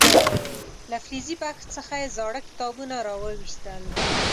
له فلزي بکس څخه یې زاړه کتابونه راو ویستل.